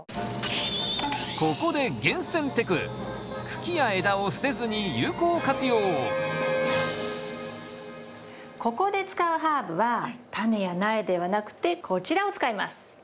ここでここで使うハーブはタネや苗ではなくてこちらを使います。